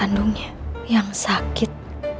kandungnya yang sakit